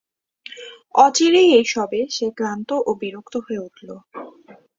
অচিরেই এই সবে সে ক্লান্ত ও বিরক্ত হয়ে উঠল।